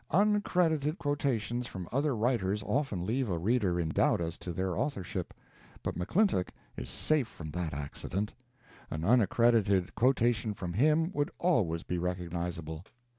Uncredited quotations from other writers often leave a reader in doubt as to their authorship, but McClintock is safe from that accident; an uncredited quotation from him would always be recognizable.